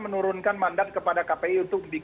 minimal dibully lah gitu ya